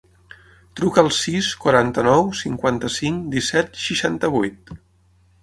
Truca al sis, quaranta-nou, cinquanta-cinc, disset, seixanta-vuit.